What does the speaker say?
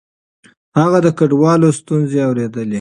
هغه د کډوالو ستونزې اورېدلې.